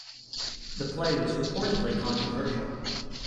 The play was reportedly controversial.